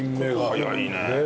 早いね。